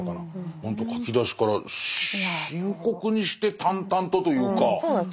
ほんと書き出しから深刻にして淡々とというか。